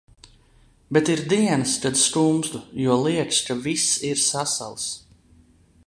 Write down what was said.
Bet ir dienas, kad skumstu, jo liekas, ka viss ir sasalis.